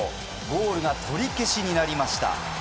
ゴールが取り消しになりました。